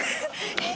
えっ！？